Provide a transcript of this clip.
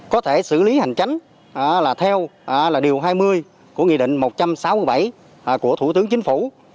có thể xử lý hành tránh là theo điều hai mươi của nghị định một trăm sáu mươi bảy của thủ tướng chính phủ